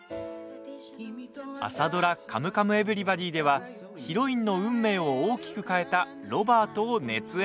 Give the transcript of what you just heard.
朝ドラ「カムカムエヴリバディ」ではヒロインの運命を大きく変えたロバートを熱演。